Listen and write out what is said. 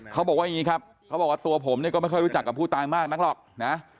เขาบอกว่าอย่างนี้ครับเขาบอกว่าตัวผมเนี่ยก็ไม่ค่อยรู้จักกับผู้ตายมากนักหรอกนะ